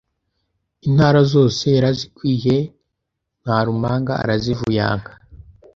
Intara zose yarazikwiye Ntarumanga arazivuyanga